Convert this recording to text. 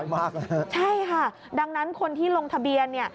น้อยมากนะฮะใช่ค่ะดังนั้นคนที่ลงทะเบียน